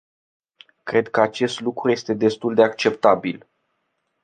Cred că acest lucru este destul de acceptabil.